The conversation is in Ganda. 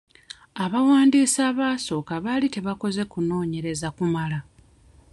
Abawandiisi abaasooka baali tebakoze kunoonyereza kumala.